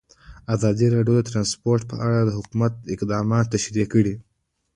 ازادي راډیو د ترانسپورټ په اړه د حکومت اقدامات تشریح کړي.